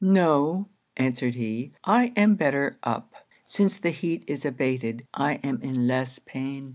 'No,' answered he, 'I am better up. Since the heat is abated, I am in less pain.